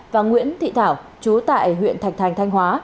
và nguyễn thị thảo chú tại huyện thạch thành thanh hóa